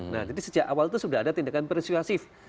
nah jadi sejak awal itu sudah ada tindakan persuasif